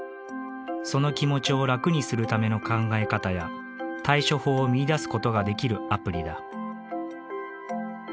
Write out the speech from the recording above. その気持ちを楽にするための考え方や対処法を見いだす事ができるアプリだ。